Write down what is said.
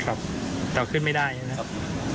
แต่ขึ้นไม่ได้ใช่ไหมครับ